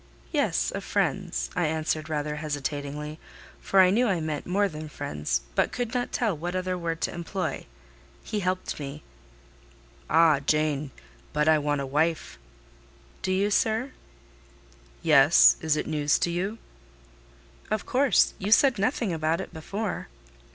"Yes, of friends," I answered rather hesitatingly: for I knew I meant more than friends, but could not tell what other word to employ. He helped me. "Ah! Jane. But I want a wife." "Do you, sir?" "Yes: is it news to you?" "Of course: you said nothing about it before."